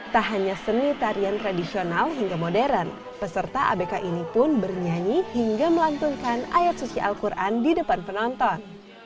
tak hanya seni tarian tradisional hingga modern peserta abk ini pun bernyanyi hingga melantunkan ayat suci al quran di depan penonton